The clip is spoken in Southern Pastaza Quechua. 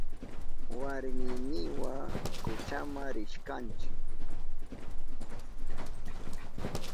Warminiwa kuchama rishkanchi.